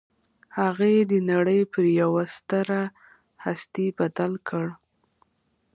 هغه يې د نړۍ پر يوه ستره هستي بدل کړ.